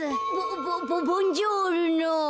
ボボボンジョールノ。